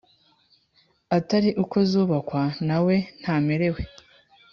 Atari uko zubakwa nawe ntamerewe